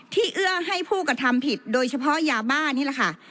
เอื้อให้ผู้กระทำผิดโดยเฉพาะยาบ้านี่แหละค่ะ